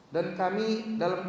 dan kami dalam kondisi yang baik